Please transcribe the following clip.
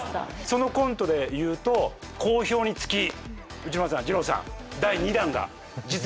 そのコントでいうと好評につき内村さんじろうさん第２弾が実現いたしました。